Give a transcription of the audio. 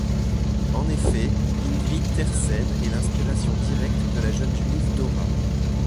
En effet, Ingrid Teyrsen est l'inspiration directe de la jeune juive Dora.